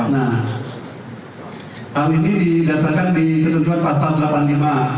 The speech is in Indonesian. nah hal ini didasarkan di ketentuan pasal delapan puluh lima